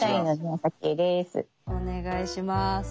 お願いします。